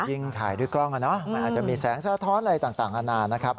ถ่ายด้วยกล้องมันอาจจะมีแสงสะท้อนอะไรต่างอาณานะครับ